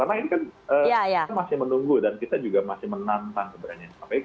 karena ini kan kita masih menunggu dan kita juga masih menantang keberanian kpk